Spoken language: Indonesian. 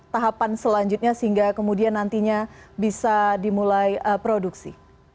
tahapan selanjutnya sehingga kemudian nantinya bisa dimulai produksi